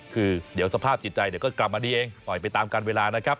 คือเดี๋ยวสภาพจิตใจเดี๋ยวก็กลับมาดีเองปล่อยไปตามการเวลานะครับ